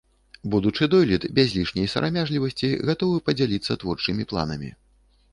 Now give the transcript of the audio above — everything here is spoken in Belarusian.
Будучы дойлід без лішняй сарамяжлівасьці гатовы падзяліцца творчымі планамі.